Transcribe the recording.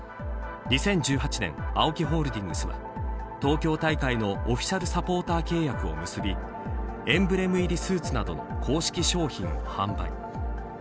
２０１８年ＡＯＫＩホールディングスは東京大会のオフィシャルサポーター契約を結びエンブレム入りスーツなどの公式商品を販売。